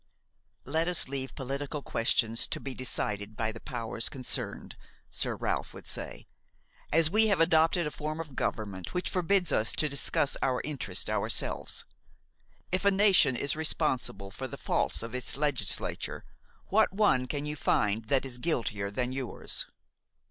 "Let us leave political questions to be decided by the powers concerned," Sir Ralph would say, "as we have adopted a form of government which forbids us to discuss our interests ourselves. If a nation is responsible for the faults of its legislature, what one can you find that is guiltier than yours?"